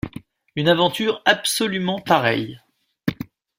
Une aventure absolument pareille!